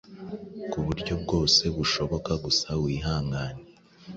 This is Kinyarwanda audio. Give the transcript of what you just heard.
kuburyo bwose bushoboka gusa wihangane